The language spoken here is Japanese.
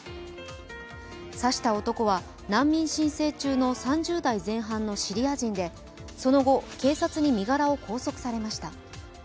刺した男は難民申請中の３０代前半のシリア人でその後、警察に身柄を拘束されました。